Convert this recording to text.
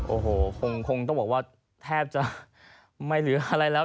โอ้โหคงต้องบอกว่าแทบจะไม่เหลืออะไรแล้ว